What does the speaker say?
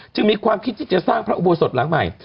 มีความคิดที่จะสร้างพระอุโบสถหลังใหม่